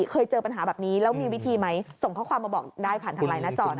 เคยเจอปัญหาแบบนี้แล้วมีวิธีไหมส่งข้อความมาบอกได้ผ่านทางไลน์หน้าจอนะ